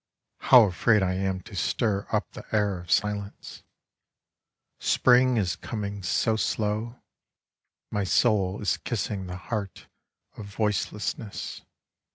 How afraid I am to stir up the air of silence ! Spring is coming so slow. My soul is kissing the Heart of Voicelessness.